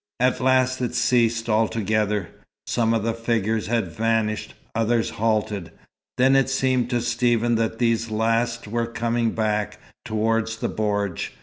At last it ceased altogether. Some of the figures had vanished. Others halted. Then it seemed to Stephen that these last were coming back, towards the bordj.